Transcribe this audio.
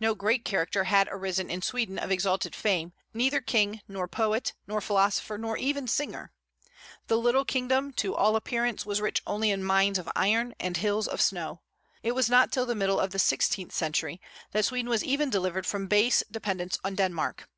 No great character had arisen in Sweden of exalted fame, neither king nor poet, nor philosopher, nor even singer. The little kingdom, to all appearance, was rich only in mines of iron and hills of snow. It was not till the middle of the sixteenth century that Sweden was even delivered from base dependence on Denmark.